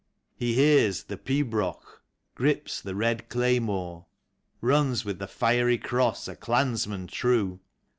He hears the pibroch, grips the red claymore, Runs with the Fiery Cross a clansman true.